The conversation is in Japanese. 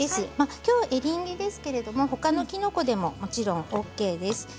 きょうはエリンギですけどほかのきのこでももちろんＯＫです。